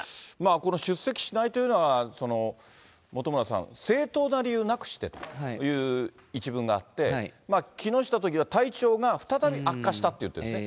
この出席しないというのは、本村さん、正当な理由なくしてという一文があって、木下都議は体調が再び悪化したって言ってるんですね。